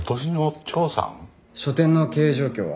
書店の経営状況は？